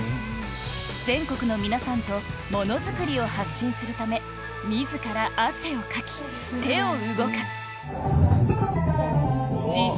全国の皆さんとものづくりを発信するため自ら汗をかき手を動かす自称